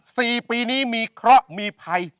สี่ปีนี้มีเคราะห์มีภัย